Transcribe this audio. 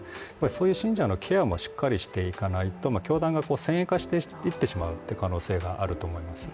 そういう信者のケアもしっかりしていかないと教団が先鋭化していってしまう可能性があると思います。